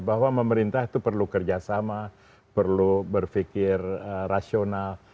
bahwa pemerintah itu perlu kerjasama perlu berpikir rasional